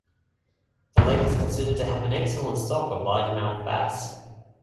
The lake is considered to have an excellent stock of largemouth bass.